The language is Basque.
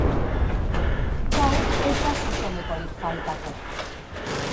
Gaur ez da zuzenekorik faltako.